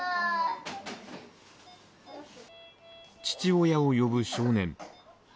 父親を呼ぶ少年。